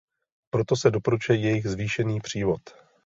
Proto se doporučuje jejich zvýšený přívod.